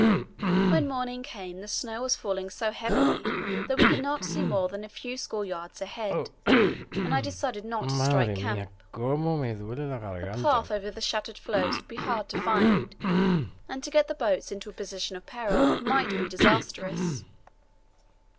When morning came the snow was falling so heavily that we could not see more than a few score yards ahead, and I decided not to strike camp. A path over the shattered floes would be hard to find, and to get the boats into a position of peril might be disastrous.